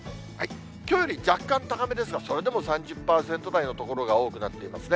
きょうより若干高めですが、それでも３０％台の所が多くなっていますね。